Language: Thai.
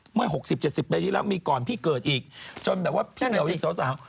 เมื่อ๖๐๗๐ปีที่แล้วมีก่อนพี่เกิดอีกจนแบบว่าพี่เหมียวอีกสาว